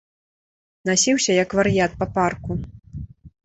Насіўся, як вар'ят, па парку.